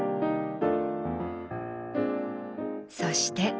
そして。